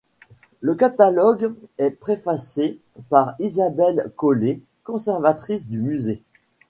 Le catalogue est préfacé par Isabelle Collet, conservatrice du musée.